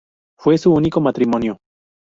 Fue su único matrimonio.